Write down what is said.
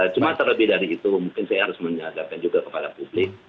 cuma terlebih dari itu mungkin saya harus menyadarkan juga kepada publik